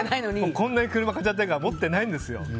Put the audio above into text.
こんなに車買ってるから持ってないんですよ。